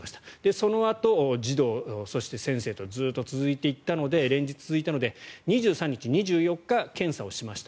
そのあと児童、そして先生とずっと続いていったので連日続いたので２３日、２４日検査をしました。